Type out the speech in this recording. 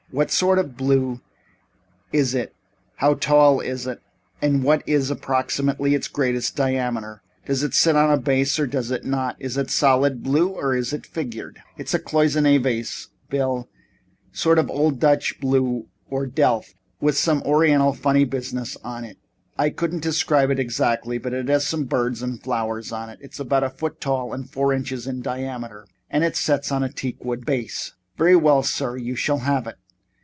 What sort of blue is it, how tall is it and what is, approximately, its greatest diameter? Does it set on a base, or does it not? Is it a solid blue, or is it figured?" It's a Cloisonné vase, Bill sort of old Dutch blue, or Delft, with some Oriental funny business on it. I couldn't describe it exactly, but it has some birds and flowers on it. It's about a foot tall and four inches in diameter and sets on a teak wood base." "Very well, sir. You shall have it."